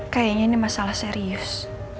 kayaknya ini masalah serius